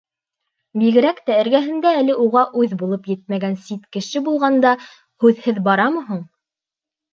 Бигерәк тә эргәһендә әле уға үҙ булып етмәгән сит кеше булғанда, һүҙһеҙ барамы һуң?